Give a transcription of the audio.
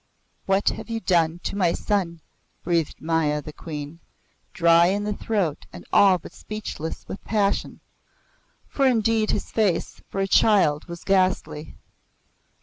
"What have you done to my son?" breathed Maya the Queen, dry in the throat and all but speechless with passion. For indeed his face, for a child, was ghastly.